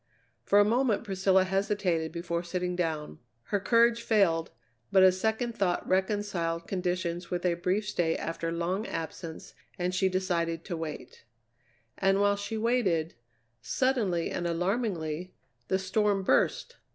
For a moment Priscilla hesitated before sitting down; her courage failed, but a second thought reconciled conditions with a brief stay after long absence, and she decided to wait. And while she waited, suddenly and alarmingly, the storm burst!